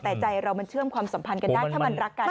แต่ใจเรามันเชื่อมความสัมพันธ์กันได้ถ้ามันรักกัน